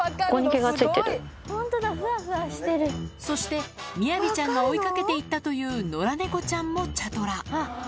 そして、みやびちゃんが追いかけていったという野良猫ちゃんも茶トラ。